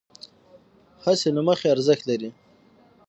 هڅې له مخې ارزښت لرې،